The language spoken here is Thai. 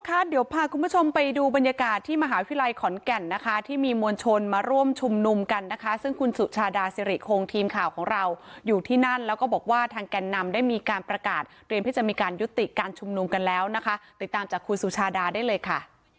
ค่ะเดี๋ยวพาคุณผู้ชมไปดูบรรยากาศที่มหาวิทยาลัยขอนแก่นนะคะที่มีมวลชนมาร่วมชุมนุมกันนะคะซึ่งคุณสุชาดาสิริคงทีมข่าวของเราอยู่ที่นั่นแล้วก็บอกว่าทางแก่นนำได้มีการประกาศเตรียมที่จะมีการยุติการชุมนุมกันแล้วนะคะติดตามจากคุณสุชาดาได้เลยค่ะ